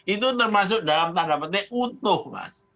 itu termasuk dalam tanda petik utuh mas